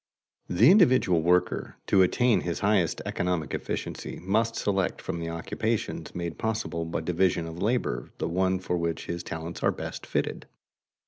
_The individual worker, to attain his highest economic efficiency, must select from the occupations made possible by division of labor the one for which his talents are best fitted.